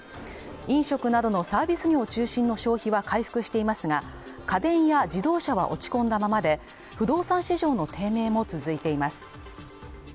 飲食などのサービス業中心の消費は回復していますが、家電や自動車は落ち込んだままで、不動産市場の低迷も続いています。